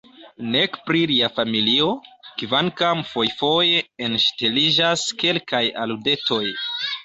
Nek pri lia familio – kvankam fojfoje enŝteliĝas kelkaj aludetoj.